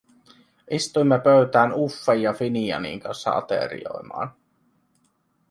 Istuimme pöytään Uffen ja Finianin kanssa aterioimaan.